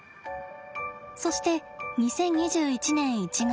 そして２０２１年１月。